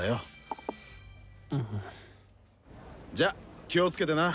じゃ気を付けてな。